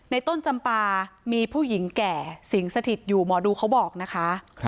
ต้นจำปามีผู้หญิงแก่สิงสถิตอยู่หมอดูเขาบอกนะคะ